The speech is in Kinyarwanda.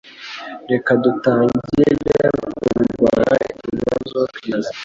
Reka dutangire kurwana ikibazo twibaza